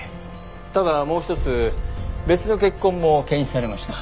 ただもう一つ別の血痕も検出されました。